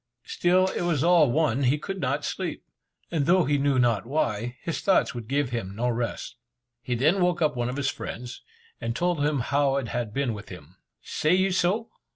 Still it was all one, he could not sleep; and though he knew not why, his thoughts would give him no rest. He then woke up one of his friends, and told him how it had been with him. "Say you so?"